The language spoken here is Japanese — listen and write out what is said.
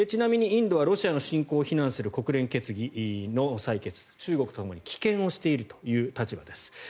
インドはロシアの侵攻を非難する決議を中国とともに棄権しているという立場です。